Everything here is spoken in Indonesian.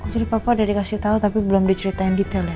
jadi papa udah dikasih tahu tapi belum diceritain detail ya